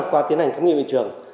qua tiến hành khám nghiệm hiện trường